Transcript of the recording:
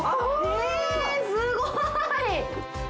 えすごい。